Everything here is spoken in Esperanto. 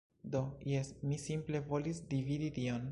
Do, jes, mi simple volis dividi tion.